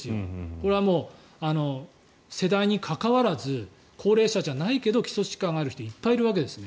これは世代に関わらず高齢者じゃないけど基礎疾患がある人いっぱいいるわけですね。